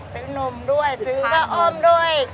ซื้อนมด้วยข้าวอมด้วย